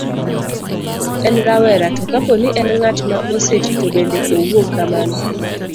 en rawera, to kapo ni en ng'at ma oseti to bende owuog kamano